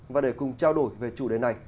và để cùng trao đổi về chủ đề này